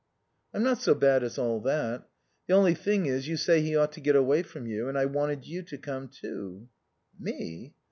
"I'm not so bad as all that. The only thing is, you say he ought to get away from you, and I wanted you to come too." "Me?"